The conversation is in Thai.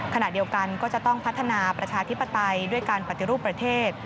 ขณะเดียวกันก็จะต้องพัฒนาประชาธิปไตยด้วยการปฏิรูปประเทศ